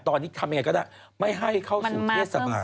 ตอนนี้ทำยังไงก็ได้ไม่ให้เข้าสู่เทศบาล